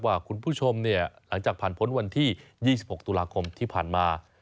คุณผู้ชมเนี่ยหลังจากผ่านพ้นวันที่๒๖ตุลาคมที่ผ่านมา